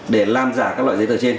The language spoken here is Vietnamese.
để làm giả các loại giấy tờ trên